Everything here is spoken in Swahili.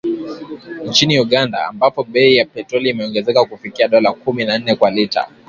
Nchini Uganda, ambapo bei ya petroli imeongezeka kufikia dola kumi na nne kwa lita